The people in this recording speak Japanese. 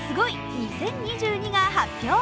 ２０２１」が発表。